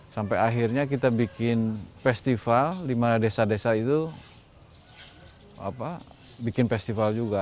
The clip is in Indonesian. sampai akhirnya kita bikin festival di mana desa desa itu bikin festival juga